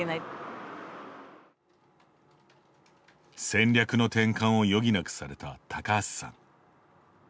戦略の転換を余儀なくされた高橋さん。